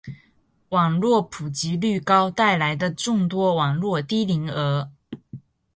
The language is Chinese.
网络普及率高带来的众多网络低龄儿